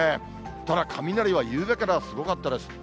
ただ、雷はゆうべからすごかったです。